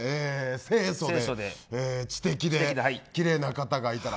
清楚で、知的できれいな方がいたら。